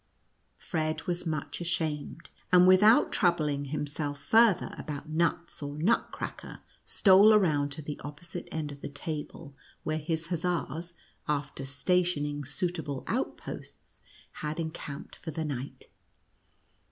Fred was much ashamed, and without troub ling himself farther about nuts or Nutcracker, stole around to the opposite end of the table, where his hussars, after stationing suitable out posts, had encamped for the night.